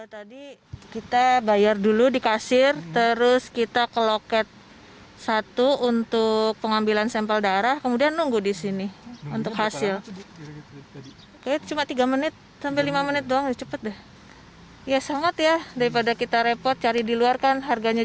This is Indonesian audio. tadi kita bayar dulu di kasir terus kita ke loket satu untuk pengambilan sampel darah kemudian nunggu disini untuk hasil